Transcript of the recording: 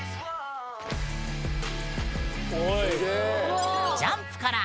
おい。